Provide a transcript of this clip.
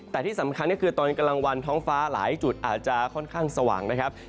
แต่ที่สำคัญก็คือตอนกลางวันท้องฟ้าหลายจุดอาจจะค่อนข้างสว่างนะครับ